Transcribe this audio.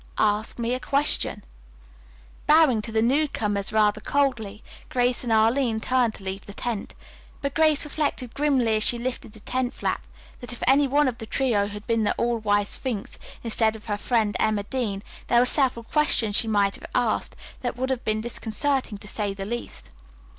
"Ask me a question." Bowing to the newcomers rather coldly, Grace and Arline turned to leave the tent. But Grace reflected grimly as she lifted the tent flap that if any one of the trio had been the all wise Sphinx, instead of her friend Emma Dean, there were several questions she might have asked that would have been disconcerting to say the least.